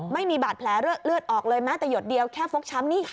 ไม่มีบาดแผลเลือดออกเลยแม้แต่หยดเดียวแค่ฟกช้ำนี่ค่ะ